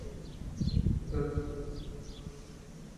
বিজ্ঞানের ব্যবহারে আমাদের জীবন হয়েছে সহজ ও প্রাঞ্জল।